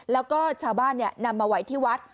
แล้วก็ชาวบ้านนำมาไว้ที่วัด